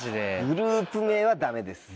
グループ名はダメです。